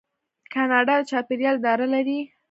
کاناډا د چاپیریال اداره لري.